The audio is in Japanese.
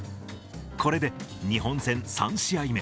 これで日本戦３試合目。